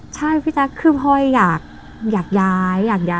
ใช่พี่แจ๊กคือพลอยอยากย้าย